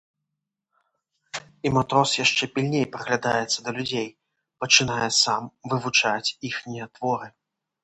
І матрос яшчэ пільней прыглядаецца да людзей, пачынае сам вывучаць іхнія творы.